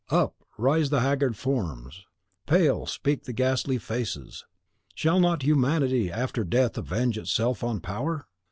up rise the haggard forms! pale speak the ghastly faces! Shall not Humanity after death avenge itself on Power?